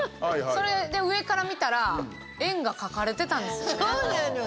それで上から見たら円がかかれてたんですよね。